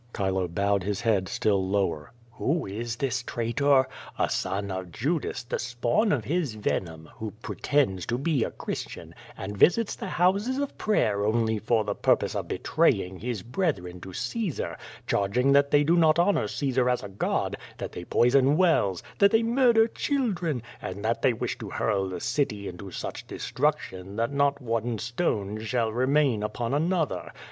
Chilo bowed his head still lower. ^^Who is this traitor? A son of Judas, the spawn of his venom, who pretends to be a Christian, and visits the houses of prayer only for the pur pose of betraying his brethren to Caesar, charging that they do not honor Caesar as a god, that they poison wells, that they murder children, and that they wish to hurl the city into such destruction that not one stone shall remain upon an other.